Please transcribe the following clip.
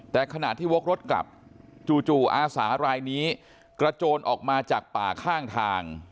แต่ขณะที่วกรถกลับจู่อาสารายนี้กระโจนออกมาจากป่าข้างทาง